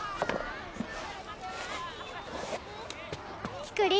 キクリン